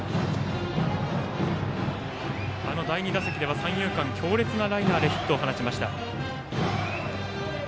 第２打席では三遊間強烈なライナーでヒットを放ちました。